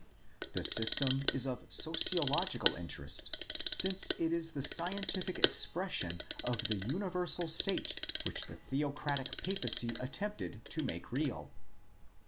The system is of sociological interest since it is the scientific expression of the universal state which the theocratic papacy attempted to make real.